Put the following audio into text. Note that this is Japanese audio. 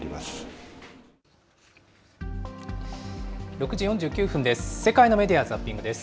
６時４９分です。